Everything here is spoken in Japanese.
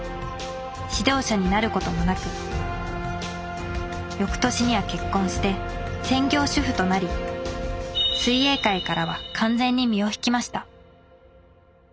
指導者になることもなく翌年には結婚して専業主婦となり水泳界からは完全に身を引きました。